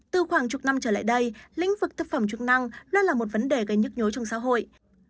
từ khoảng chục năm trở lại đây lĩnh vực thực phẩm chức năng luôn là một vấn đề gây nhức nhối trong xã hội